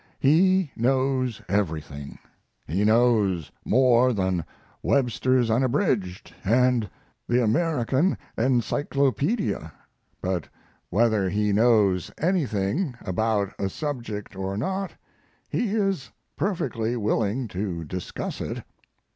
He knows everything he knows more than Webster's Unabridged and the American Encyclopedia but whether he knows anything about a subject or not he is perfectly willing to discuss it.